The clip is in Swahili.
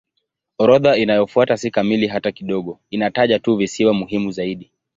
Orodha inayofuata si kamili hata kidogo; inataja tu visiwa muhimu zaidi.